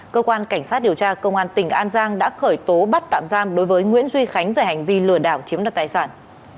cơ quan cảnh sát điều tra công an tỉnh an giang đã khởi tố bắt tạm giam đối với nguyễn duy khánh về hành vi lừa đảo chiếm đoạt tài sản